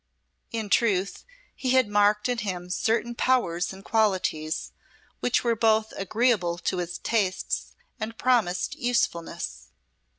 In truth, he had marked in him certain powers and qualities, which were both agreeable to his tastes and promised usefulness.